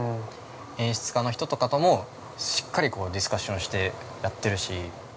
演出家の人とかともしっかりディスカッションしてやってるし。